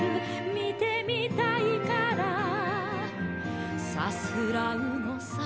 「見てみたいからさすらうのさ」